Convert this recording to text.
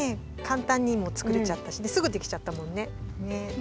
かんたんにもつくれちゃったしすぐできちゃったもんね。